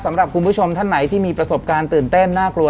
สำหรับคุณผู้ชมท่านไหนที่มีประสบการณ์ตื่นเต้นน่ากลัว